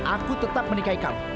aku tetap menikahi kamu